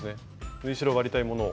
縫い代割りたいものを。